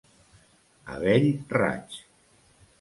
A bell raig.